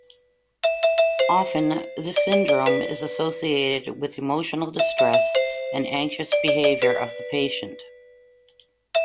Often, this syndrome is associated with emotional distress and anxious behaviour of the patient.